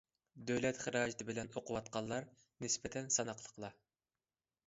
دۆلەت خىراجىتى بىلەن ئوقۇۋاتقانلار نىسبەتەن ساناقلىقلا.